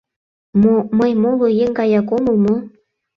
— Мо, мый моло еҥ гаяк омыл мо?